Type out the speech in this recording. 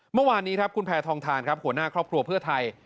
เมื่อวานนี้ครับขวาหน้าครอบครัวเพื่อไทย